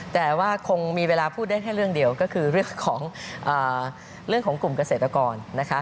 แต่ว่าคงมีเวลาพูดได้แค่เรื่องเดียวก็คือเรื่องของเรื่องของกลุ่มเกษตรกรนะคะ